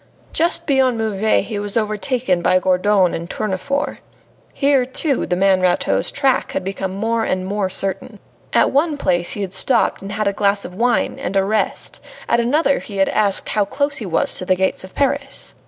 Just beyond Meuves he was overtaken by Gourdon and Tournefort. Here, too, the man Rateau's track became more and more certain. At one place he had stopped and had a glass of wine and a rest, at another he had asked how close he was to the gates of Paris.